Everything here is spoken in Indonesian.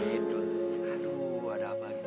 aduh ada apa ini